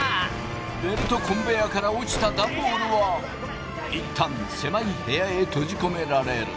ベルトコンベヤーから落ちたダンボールは一旦狭い部屋へ閉じ込められる。